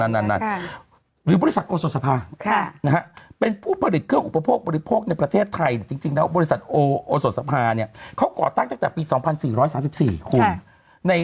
นั่นหรือบริษัทโอโสภาเป็นผู้ผลิตเครื่องอุปโภคบริโภคในประเทศไทยจริงแล้วบริษัทโอโสดสภาเนี่ยเขาก่อตั้งตั้งแต่ปี๒๔๓๔คุณ